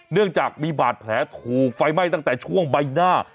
เนื่องจากมีบาดแผลถูกไฟไหม้ตั้งแต่ช่วงใบหน้า